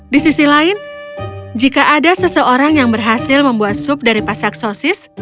di sisi lain jika ada seseorang yang berhasil membuat sup dari pasak sosis